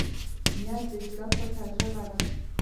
نیت د زړه پټه ژبه ده.